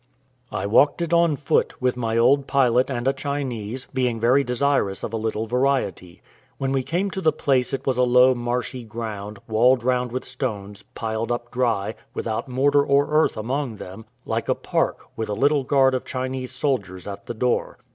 I walked it on foot, with my old pilot and a Chinese, being very desirous of a little variety. When we came to the place it was a low, marshy ground, walled round with stones, piled up dry, without mortar or earth among them, like a park, with a little guard of Chinese soldiers at the door.